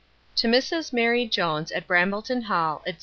To Mrs MARY JONES, at Brambleton hall, &c.